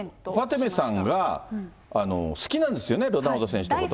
ファテメさんが、好きなんですよね、ロナウド選手のことね。